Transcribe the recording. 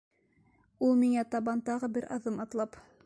Ул миңә табан тағы бер аҙым атлап: